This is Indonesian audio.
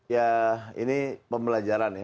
ya ini pembelajaran ya